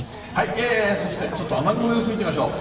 そして雨雲の様子を見てみましょう。